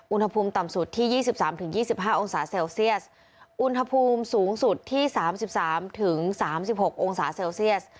อุณหภูมิต่ำสุดที่ยี่สิบสามถึงยี่สิบห้าองศาเซลเซียสอุณหภูมิสูงสุดที่สามสิบสามถึงสามสิบหกองศาเซลเซียส